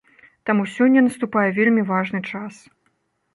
Таму сёння наступае вельмі важны час.